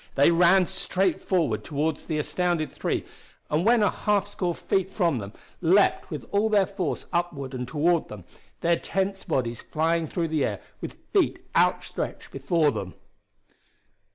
They ran straight forward toward the astounded three, and when a half score feet from them, leaped with all their force upward and toward them, their tensed bodies flying through the air with feet outstretched before them.